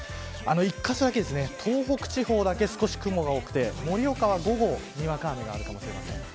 １カ所だけ、東北地方だけ少し雲が多くて盛岡は午後にはにわか雨があるかもしれません。